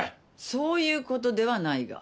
そういうことではないが。